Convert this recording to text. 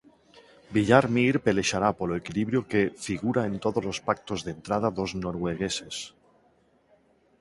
Villar Mir pelexará polo equilibrio, que "figura en tódolos pactos de entrada dos noruegueses".